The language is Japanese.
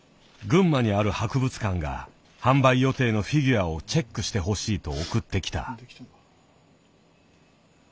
群馬にある博物館が販売予定のフィギュアをチェックしてほしいと送ってきた。